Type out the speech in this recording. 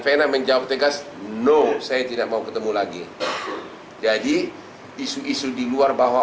vena menjawab tegas no saya tidak mau ketemu lagi jadi isu isu di luar bahwa